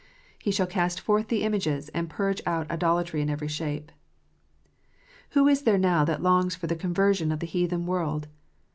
He shall cast forth the images, and purge out idolatry in every shape. Who is there now that longs for the conversion of the heathen world?